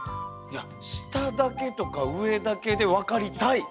いや下だけとか上だけで分かりたい。